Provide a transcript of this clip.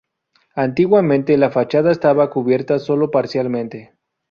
Antiguamente, la fachada estaba cubierta sólo parcialmente.